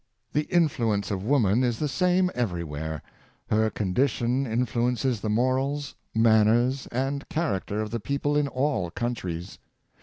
The influence of woman is the same everywhere. Her condition influences the morals, manners and char acter of the people in all countries.